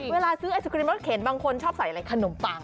เวลาซื้อไอศครีมรถเข็นบางคนชอบใส่อะไรขนมปัง